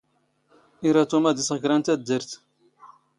ⵉⵔⴰ ⵜⵓⵎ ⴰⴷ ⵉⵙⵖ ⴽⵔⴰ ⵏ ⵜⴰⴷⴷⴰⵔⵜ.